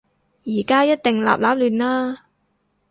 而家一定立立亂啦